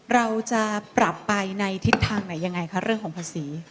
เราจะปรับไปในทิศทางไหนยังไงคะเรื่องของภาษี